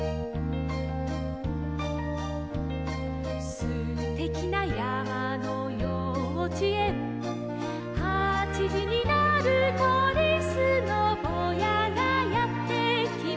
「すてきなやまのようちえん」「はちじになると」「リスのぼうやがやってきます」